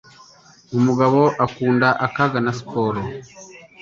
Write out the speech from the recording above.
Umugabo akunda akaga na siporo.